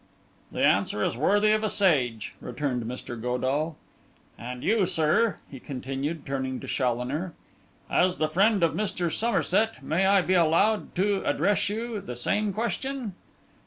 'The answer is worthy of a sage,' returned Mr. Godall. 'And you, sir,' he continued, turning to Challoner, 'as the friend of Mr. Somerset, may I be allowed to address you the same question?